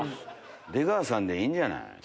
出川さんでいいんじゃない？